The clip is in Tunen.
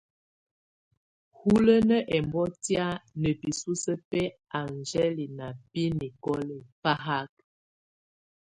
Hulənə ɔ́mbɔ́tiá ná bǐsusə bɛ angele na bɛ nicole fáhák.